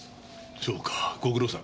そうかご苦労さん。